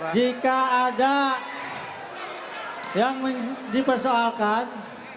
jika ada yang dipersoalkan